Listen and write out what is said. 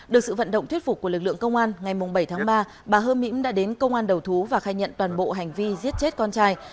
được sự vận động thuyết phục của lực lượng công an ngày bảy tháng ba bà hơ mỹ đã đến công an đầu thú và khai nhận toàn bộ hành vi giết chết con trai